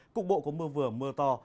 cục bộ có mưa vừa mưa to